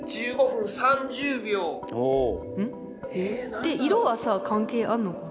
で色はさ関係あんのかな？